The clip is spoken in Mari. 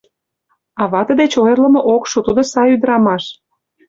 А вате деч ойырлымо ок шу, тудо сай ӱдырамаш.